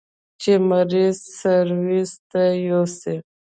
چې مريض سرويس ته يوسي.